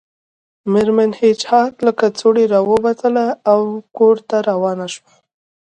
میرمن هیج هاګ له کڅوړې راووتله او کور ته روانه شوه